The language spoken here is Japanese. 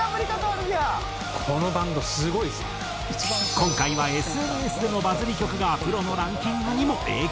今回はＳＮＳでのバズり曲がプロのランキングにも影響？